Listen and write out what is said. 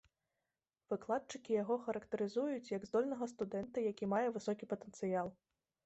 Выкладчыкі яго характарызуюць як здольнага студэнта, які мае высокі патэнцыял.